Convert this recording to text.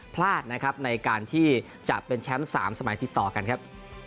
พลาดในการที่จับเป็นแชมป์สามสมัยติดต่อกันครับ